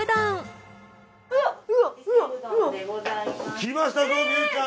来ましたぞ望結ちゃん！